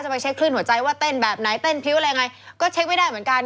ไปเช็คคลื่นหัวใจว่าเต้นแบบไหนเต้นพริ้วอะไรยังไงก็เช็คไม่ได้เหมือนกัน